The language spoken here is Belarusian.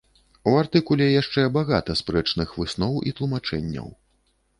У артыкуле яшчэ багата спрэчных высноў і тлумачэнняў.